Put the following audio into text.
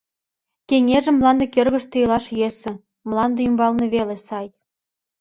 Кеҥежым мланде кӧргыштӧ илаш йӧсӧ, мланде ӱмбалне веле сай.